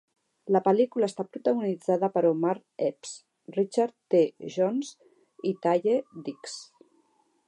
La pel·lícula està protagonitzada per Omar Epps, Richard T. Jones i Taye Diggs.